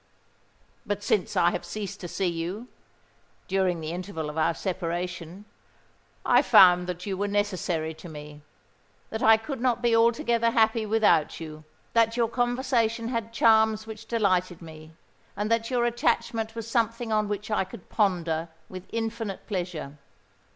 But since I have ceased to see you—during the interval of our separation—I found that you were necessary to me,—that I could not be altogether happy without you,—that your conversation had charms which delighted me,—and that your attachment was something on which I could ponder with infinite pleasure.